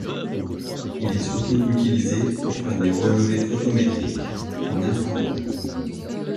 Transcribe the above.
Il est surtout utilisé pour faire des relevés photométriques en infrarouge.